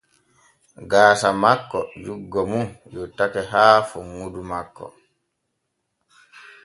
Gaasa makko juggo mum yottake haa funŋudu makko.